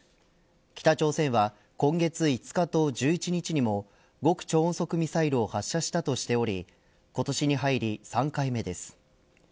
北朝鮮は今月５日と１１日にも極超音速ミサイルを発射したとしており今年に入り、３回目です。